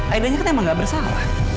aidanya kan emang gak bersalah